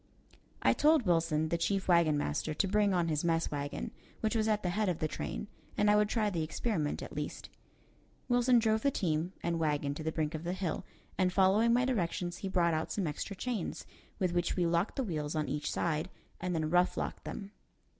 I told Wilson, the chief wagon master, to bring on his mess wagon, which was at the head of the train, and I would try the experiment at least. Wilson drove the team and wagon to the brink of the hill, and following my directions he brought out some extra chains with which we locked the wheels on each side, and then rough locked them.